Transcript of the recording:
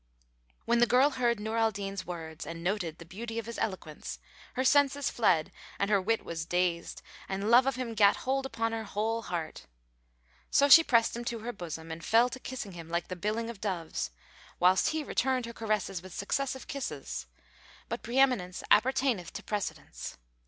'" When the girl heard Nur al Din's words and noted the beauty of his eloquence her senses fled and her wit was dazed and love of him gat hold upon her whole heart. So she pressed him to her bosom and fell to kissing him like the billing of doves, whilst he returned her caresses with successive kisses; but preeminence appertaineth to precedence.